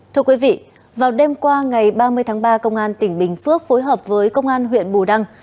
thưa quý vị vào đêm qua ngày ba mươi tháng ba công an tỉnh bình phước phối hợp với công an huyện bù đăng